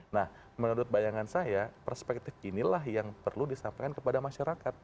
nah menurut bayangan saya perspektif inilah yang perlu disampaikan kepada masyarakat